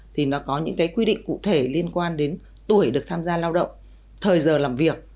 thì nó có những cái quy định cụ thể liên quan đến tuổi được tham gia lao động thời giờ làm việc